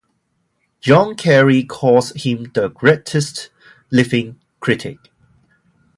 John Carey calls him the "greatest living critic".